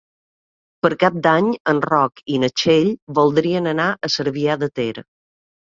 Per Cap d'Any en Roc i na Txell voldrien anar a Cervià de Ter.